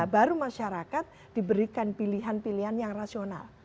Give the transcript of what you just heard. baru masyarakat diberikan pilihan pilihan yang rasional